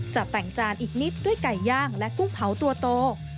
จะแต่งจานอีกนิดด้วยไก่ย่างและกุ้งเผาตัวโต